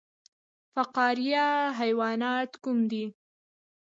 فقاریه حیوانات کوم دي؟